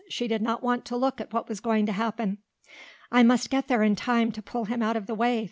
She did not want to look at what was going to happen. "I must get there in time to pull him out of the way!"